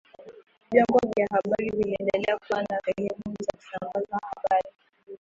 Vyombo vya habari viliendelea kuwa na sehemu za kusambaza habari